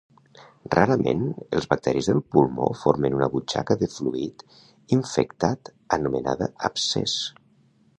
Rarament, els bacteris del pulmó formen una butxaca de fluid infectat anomenada abscés.